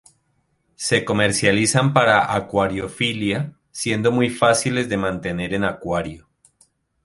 Se comercializan para acuariofilia, siendo muy fáciles de mantener en acuario.